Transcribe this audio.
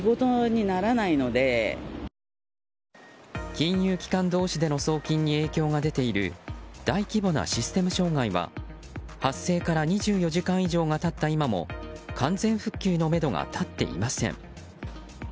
金融機関同士での送金に影響が出ている大規模なシステム障害は発生から２４時間が経った今も完全復旧のめどが立っていません。